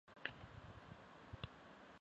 有些库瓦赫皮利可以与皇室成员通婚。